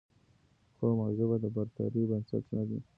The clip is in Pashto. قوم او ژبه د برترۍ بنسټ نه دي